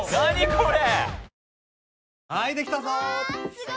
これ！